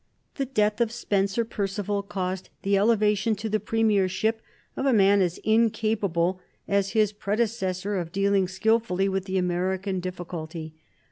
The death of Spencer Perceval caused the elevation to the premiership of a man as incapable as his predecessor of dealing skilfully with the American difficulty.